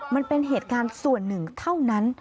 มันเป็นเหตุการณ์ส่วนหนึ่งเท่านั้น